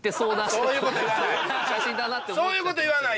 そういうこと言わない！